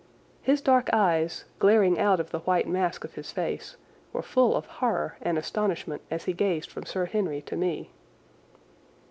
His dark eyes, glaring out of the white mask of his face, were full of horror and astonishment as he gazed from Sir Henry to me.